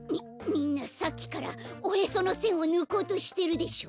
みんなさっきからおへそのせんをぬこうとしてるでしょ！？